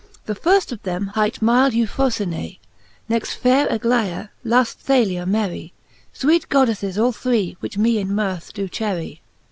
'' The firft of them hight myl^Q Euphrofyne^ \ Next faire Aglaia, laft I'halia merry : Sweete '.Goddeffes all three, which me in mirth do cherry